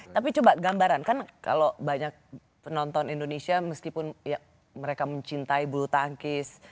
tapi coba gambaran kan kalau banyak penonton indonesia meskipun mereka mencintai bulu tangkis